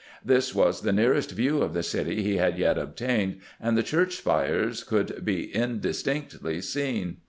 This was the nearest view of the city he had yet obtained, and the church spires could be in distinctly seen.